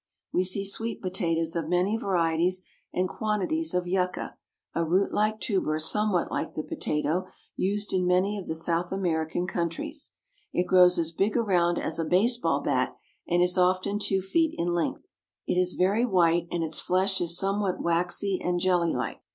We see sweet potatoes of many varieties, and quantities of yucca, a rootlike tuber somewhat like the potato, used in many of the South American countries. It grows as big around as a baseball bat, and is often two feet in length. It is very white, and its flesh is somewhat waxy and jelly like.